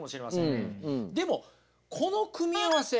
でもこの組み合わせ